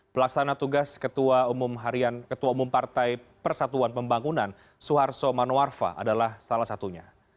pelaksana tugas ketua umum partai persatuan pembangunan suharso manuarfa adalah salah satunya